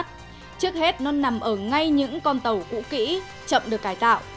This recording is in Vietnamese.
trước hết nó nằm ở ngay những con tàu cũ kỹ chậm được cải tạo